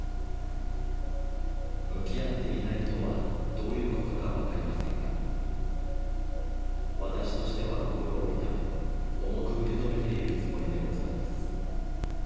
向き合っていないとはどういうことか分かりませんが、私としては心を痛め、重く受け止めているつもりでございます。